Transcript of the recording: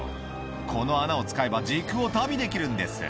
「この穴を使えば時空を旅できるんです」